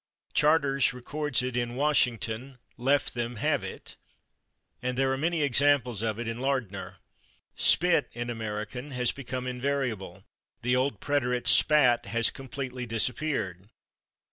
Charters records it in "Washington /left/ them have it," and there are many examples of it in Lardner. /Spit/, in American, has become invariable; the old preterite, /spat/, has completely disappeared.